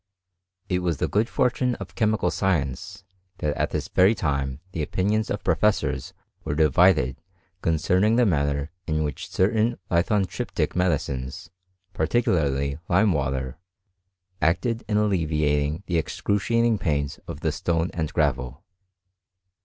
It was the good fortune of chemical science, that at this very time the opinions of professors were di vided concerning the manner in which certain lithon triptic medicines, particularly lime water, acted in alleviating the excruciating pains of the stone and gravel.